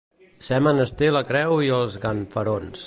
Ser menester la creu i els ganfarons.